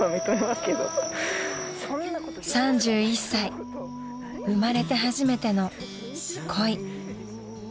［３１歳生まれて初めての恋］